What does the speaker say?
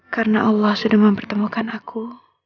karena allah sudah mempertemukan aku